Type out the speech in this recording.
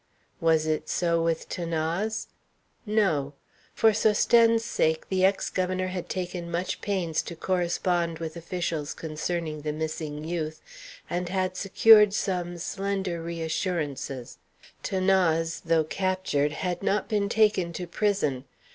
Was it so with 'Thanase? No. For Sosthène's sake the ex governor had taken much pains to correspond with officials concerning the missing youth, and had secured some slender re assurances. 'Thanase, though captured, had not been taken to prison.